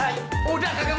aduh aduh aduh aduh